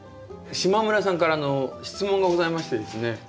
島村さんから質問がございましてですね。